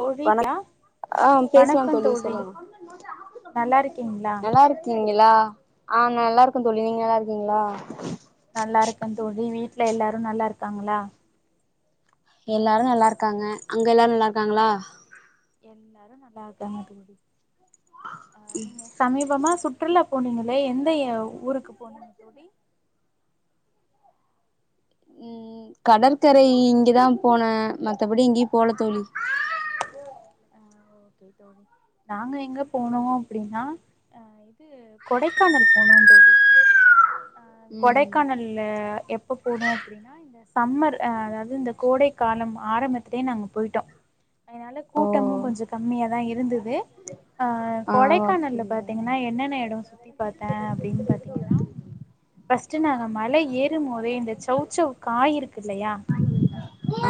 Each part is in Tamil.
தோழி யா வணக் ஆ பேசலா தோழி சொல்லுங்க நல்லா இருக்கீங்களா நல்லாருக் கீங்களா ஆ நல்லாருக்க தோழி நீங்க நல்லாருக்கீங்களா நல்லாருக்க தோழி வீட்ல எல்லாரு நல்லா இருக்காங்களா எல்லாரு நல்லாருக்காங்க அங்க எல்லாரு நல்லாருக்காங்களா எல்லாரு நல்லா இருக்காங்க தோழி ஆ நீங்க சமீபமா சுற்றுலா போனீங்களே எந்த இய ஊருக்கு போனீங்க தோழி ம் கடற்கரை இங்கதா போன மத்தபடி எங்கியு போல தோழி ஆ நாங்க எங்க போனோ அப்டினா ஆ இது கொடைக்கானல் போனோ தோழி ஆ ம் கொடைக் கானல்ல எப்ப போனோ அப்டினா சம்மர் ஆ அதாது இந்த கோடை காலம் ஆரம்பத்துலயே நாங்க போய்ட்டோ அதனால ஓ கூட்டமு கொஞ்ச கம்மியா தா இருந்தது ஆ கொடைக்கானல்ல பாத்தீங்கனா என்னென்ன எடோ சுத்தி பாத்த அப்டினு பாத்தீங்கனா ஃபஸ்ட்டு நாங்க மலை ஏறுமோதே இந்த சௌ சௌ காய் இருக்கு இல்லயா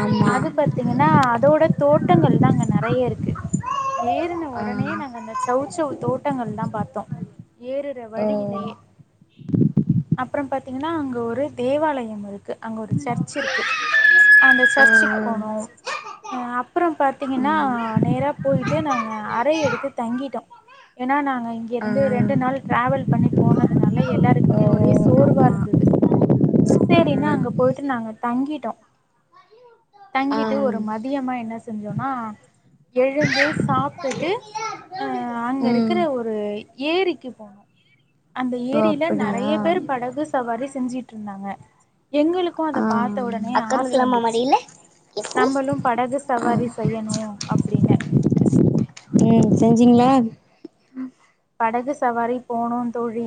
ஆமா பாத்தீங்கனா அதோட தோட்டங்கள் தா அங்க நெறைய இருக்கு ஏறுன ஆ ஒடனேயே நாங்க அந்த சௌ சௌ தோட்டங்கள் தா பாத்தோ ஏறுற ஓ வழியிலேயே அப்புறம் பாத்தீங்கனா அங்க ஒரு தேவாலயம் இருக்கு அங்க ஒரு சர்ச் இருக்கு அந்த ஆ சர்ச்சுக்கு போனோம் ஆ அப்புறம் பாத் தீங்கனா ம் ஆ நேரா போய்ட்டு ஓ நாங்க அறை எடுத்து தங்கிட்டோ ஏன்னா நாங்க இங்கிருந்து ரெண்டு நாள் டிராவல் பண்ணி போனதுனால எல்லாருக்குமே ஒரே சோர்வா ஆமா இருந்தது சேரினு அங்க போய்ட்டு நாங்க தங்கிட்டோ ஆ ஆ தங்கிட்டு ஒரு மதியமா என்ன செஞ் சோன்னா எழுந்து சாப்ட்டுட்டு ஆ அங்க ம் இருக்குற ஒரு ஏரிக்கு போனோ அந்த ஓ ஏரியில அப்படியா நெறைய பேர் படகு சவாரி செஞ்சுட்டு இருந்தாங்க எங்களுக்கு அத ஆ பாத்த ஒடனே ஆச உக்காந்துக்கலாமா வந்துருச்சு மடியில எஸ்மி நம்மளு படகு ஆ சவாரி னு அப்டினு ம் செஞ்சிங்களா படகு சவாரி போனோ தோழி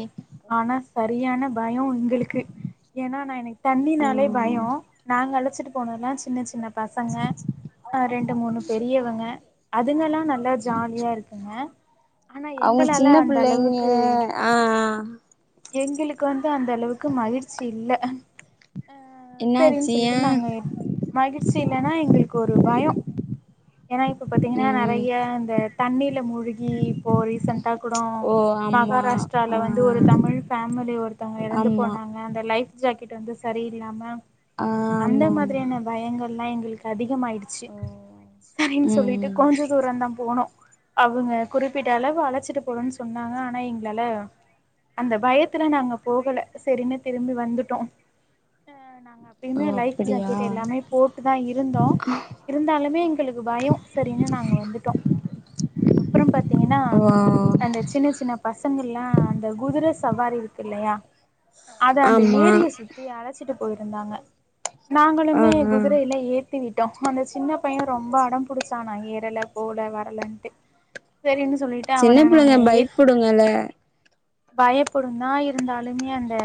ஆனா சரியான பயம் உங்களுக்கு ஏன்னா நா எனக்கு தண்ணினாலே ம் பயம் நாங்க அழைச்சிட்டு போன எல்லா சின்ன சின்ன பசங்க ஆ ரெண்டு மூணு பெரியவங்க அதுங்கல்லா நல்லா ஜாலியா இருக்குங்க ஆனா எங் அவங்க சின்ன புள்ளைங்க ஆ ஆ எங்களுக்கு வந்து அந்தளவுக்கு மகிழ்ச்சி இல்ல ஆ சரின்னு என்னாச்சு ஏ சொல்லிட்டு நாங்க மகிழ்ச்சி இல்லன்னா எங்களுக்கு ஒரு பயோ ஏன்னா இப்போ பாத்தீங்கனா ம் நெறையா இந்த தண்ணில முழுகி இப்போ ரீசண்டா கூடோ ஓ ஆமா மகாராஷ்டிராவுல ஆ வந்து ஒரு தமிழ் ஃபேமிலி ஒருத்தவங்க எறந்து ஆமா போனாங்க அந்த லைஃப் ஜாக்கெட் வந்து சரியில்லாம ஆ அந்த ஆமா ஆமா மாதிரியான பயங்கள்லா எங்களுக்கு அதிகமாய்டுச்சு ஓ சரின்னு சொல்லிட்டு ம் கொஞ்ச தூரந் தா போனோ அவுங்க குறிப்பிட்ட அளவு அழைச்சிட்டு போறோனு சொன்னாங்க ஆனா எங்களால அந்த பயத்துல நாங்க போகல சரின்னு திரும்பி வந்துட்டோ ஆ ஓ பின்னெ லைஃப் அப்டியா ஜாக்கெட் எல்லாமே போட்டு தா இருந்தோ இருந்தாலுமே எங்களுக்கு பயோ சரினு நாங்க வந்துட்டோ அப்பறோ பாத்தீங்கனா ஓ அந்த சின்ன சின்ன பசங்கல்லா அந்த குதிர சவாரி இருக்கு இல்ல அத அந்த ஆமா ஏரிய சுத்தி அழைச்சிட்டு போய்ருந்தாங்க ஆ நாங்களுமே ஆ குதிரயில எத் திவிட்டோ அந்த சின்ன பைய ரொம்ப அடம் பிடிச்சா நா ஏறல போல வர்லன்ட்டு செரின்னு சொல்லி சின்ன பிள்ளைங்க பயப்புடுங்கலெ பயப்படும தா இருந்தாலுமே அந்த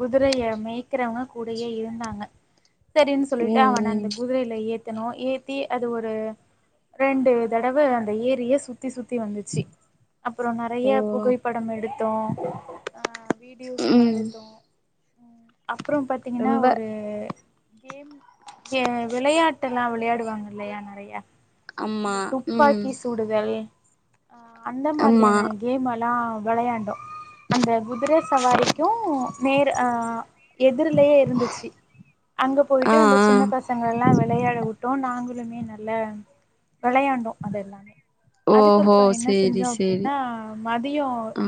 குதுரைய மேய்க்கிறவங்க கூடயே இருந்தாங்க [inaudible] செரின்னு சொல்லிட்டு ம் அவன ம் அந்த குதிரையில ஏத் த்தணு ஏத்தி அது ஒரு ரெண்டு தடவ அந்த ஏரிய சுத் சுத்தி சுத்தி வந்துச்சு அப்புறோ நறைய ஓ புகைப்படோ எடுத்தோ வீடியோஸ்யெல்லா ம் எடுத்தோ அப்பறோ பாத்தீங்கன்னா ரொம்ப ஒரு கேம் ஏ விளையாட்டெல்லா விளையாடுவாங்க இல்லயா நறைய ஆமா இந்த ம் துப்பாக்கி சூடுத அ அந்த ஆமா மாதிரியான கேமெல்லா விளையாண்டோ அந்த குதிர சவாரிக்கம் நேர் எதர்லயே இருந்துச்சு அங்க ஆ ஆ பொய்ட்டு அந்த சின்ன பசங்களல்லா வெளையாட விட்டோ நாங்களளுமே நல்ல வெளையாண் றோ அதெல்லாமே ஓஹோ அதுக்கப்புறோ என்ன சேரி செஞ்சோ சேரி அப்டின்னா மதியோ ஆ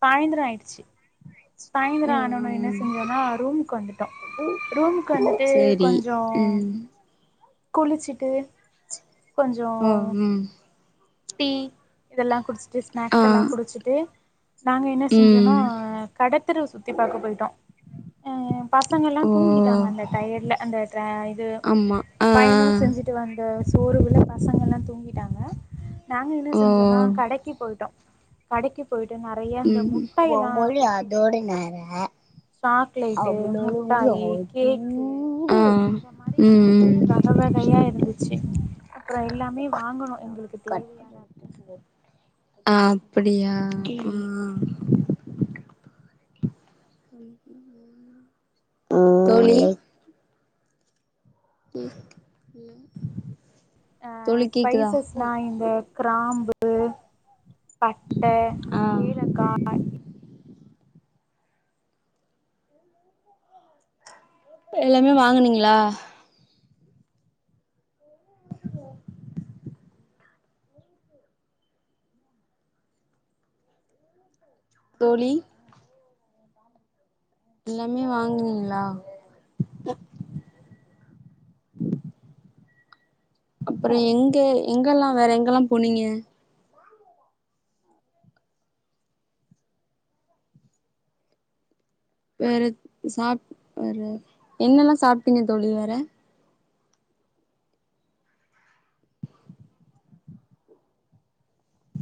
சாயந்தரோ ஆயிடுச்சு சாய்ந்தரோ ம் ஆணோன என்ன ஆம் செஞ்சோம்னா ரூமுக்கு வந்துட்டோ ரூம்க்கு வந்துட்டு சேரி கொஞ்சோ ம் குளிச்சிட்டு கொஞ்சோ ஓ ம் டீ இதெல்லா குடிச்சிட்டு ஆ ஸ்நாக்ஸ்ஸு எல்லா குடிச்சிட்டு நாங்க என்ன செஞ்சோன்னா ம் கடத்தரவ சுத்தி பாக்க போய்ட்டோ பசங்கல்லா தூங்கிட்டாங்க ஓ அந்த டயட்ல அந்த இது ஆமா ஆ பயனு செஞ்சு ட்டு வந்த சோறுவுல பசங்கல்லா தூங்கிட்டாங்க நாங்க என்ன ஓ செஞ்சோன்னா கடைக்கு போய்ட்டோ கடைக்கு போய்ட்டு ந றைய இந்த ம் முட்டையெல்லா ஒம்மொழி வித்தட்டு அதோட இருந்துச்சு நேர சாக்லேட்டு, அவளோட மொழி முட்டாயி, கேக்கு ஆ ம் இந்த மாரி நறைய ம் வக வகையா இருந்துச்சு அப்புறோ எல்லாமே வாங்கணு எங்களுக்கு தேவையான [unintelligible] ஆ அப்டியா ம் ம் ம் தோழி ஆ தோழி கேக்குதா [unintelligible] இந்த கிராம்பு, பட்டை, ஆ ஏலக்கா எல்லாமே வாங்குனீங்களா [inaudible] தோழி எல்லாமே வாங்கினீங்களா அப்புறோ எங்க எங்கெல்லா வேற எங்கெல்லா போனீங்க வேற சாப் வேற என்னெல்லா சாப்ட்டீங்க தோழி வேற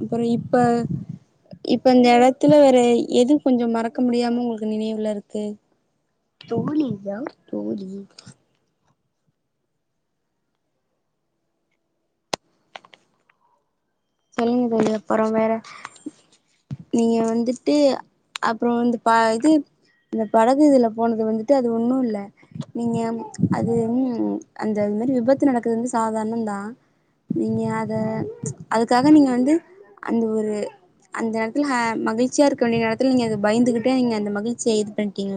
அப்புறோ இப்ப இப்ப இந்த இடத்துல வேற எது கொஞ்சோ மறக்க முடியாம உங்க நினைவுல இருக்கு தோழி இல்லயா தோழி சொல்லுங்க தோழி அப்புறோ வேற நீங்க வந்துட்டு அப்புறோ வந்து பா இது இந்த படகு இதுல போனது வந்துட்டு அது ஒண்ணு இல்ல நீங்க அது உ அந்த இது மாரி விபத்து நடக்குது வந்து சாதாரணம் தா நீங்க அத அதுக்காக நீங்க வந்து அந்த ஒரு அந்த எடத்துல மகிழ்ச்சியா இருக்க வேண்டிய எடத்துல நீங்க பயந்து கிட்டே நீங்க அந்த மகிழ்ச்சிய இது பண்ணிட்டீங்கலோ